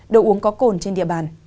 đồ uống có cồn trên địa bàn